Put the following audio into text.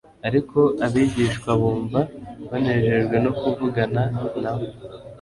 Ariko abigishwa bumva banejejwe no kuvugana na we